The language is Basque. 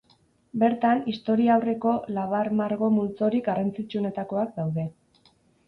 Bertan, Historiaurreko labar-margo multzorik garrantzitsuenetakoak daude.